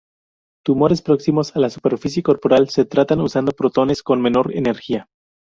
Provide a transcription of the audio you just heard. Tumores próximos a la superficie corporal se tratan usando protones con menor energía.